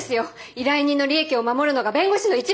依頼人の利益を守るのが弁護士の一番の。